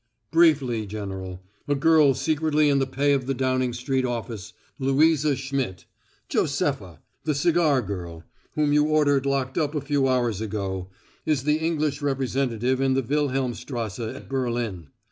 "Briefly, General, a girl secretly in the pay of the Downing Street office Louisa Schmidt, Josepha, the cigar girl, whom you ordered locked up a few hours ago is the English representative in the Wilhelmstrasse at Berlin.